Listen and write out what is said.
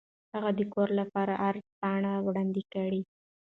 هغه د کور لپاره عرض پاڼه وړاندې کړه.